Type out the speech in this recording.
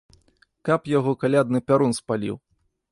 Каб яго калядны пярун спаліў!